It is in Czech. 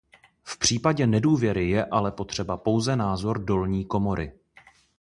V případě nedůvěry je ale potřeba pouze názor dolní komory.